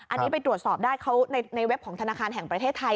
อันนี้ไปตรวจสอบได้เขาในเว็บของธนาคารแห่งประเทศไทย